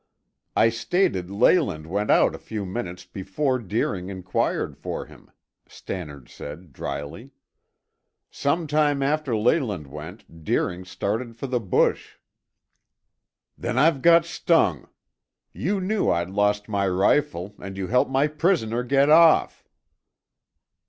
"I stated Leyland went out a few minutes before Deering inquired for him," Stannard said dryly. "Some time after Leyland went, Deering started for the bush." "Then, I've got stung! You knew I'd lost my rifle and you helped my prisoners get off!"